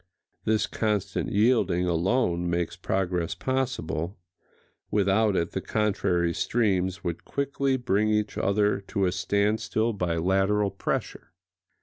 This constant yielding alone makes progress possible: without it the contrary streams would quickly bring each other to a standstill by lateral pressure.